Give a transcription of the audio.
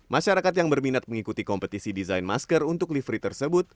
masyarakat yang berminat mengikuti kompetisi desain masker untuk livery tersebut